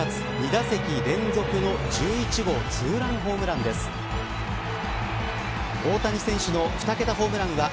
２打席連続の１１号ツーランホームランです。